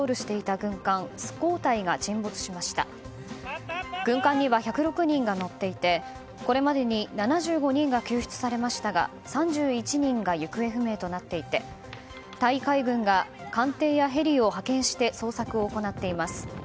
軍艦には１０６人が乗っていてこれまでに７５人が救出されましたが３１人が行方不明となっていてタイ海軍が艦艇やヘリを派遣して捜索を行っています。